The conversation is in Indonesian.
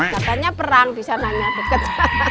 katanya perang di sananya dekat